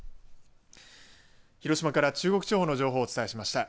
広島から中国地方の情報をお伝えしました。